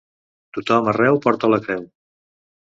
Tothom arreu porta la creu.